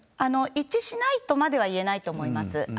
一致しないとまでは言えないと思います。